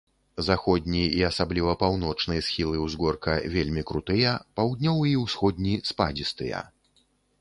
Заходні і асабліва паўночны схілы ўзгорка вельмі крутыя, паўднёвы і ўсходні спадзістыя.